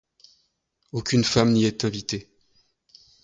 Aucune femme n’y est invitée.